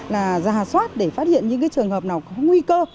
là ra hà soát để phát hiện những trường hợp nào có nguy cơ